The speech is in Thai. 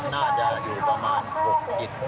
น่าจะอยู่ประมาณ๖๐๗๐ครับ